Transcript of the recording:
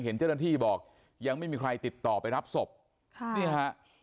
เห็นเจ้าหน้าที่บอกยังไม่มีใครติดต่อไปรับศพค่ะนี่ฮะ